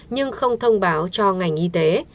nhưng không thông báo cho ngành y tế